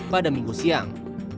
pada minggu siang